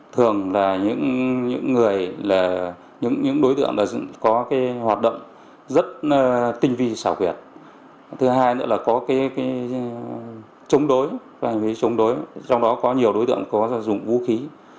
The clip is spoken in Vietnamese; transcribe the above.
trong đó có nhiều đối tượng có dùng vũ khí